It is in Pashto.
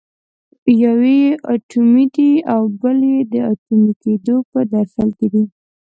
یو یې اټومي دی او بل یې د اټومي کېدو په درشل کې دی.